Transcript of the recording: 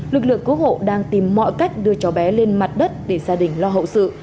lực lượng cứu hộ đang tìm mọi cách đưa cháu bé lên mặt đất để gia đình lo hậu sự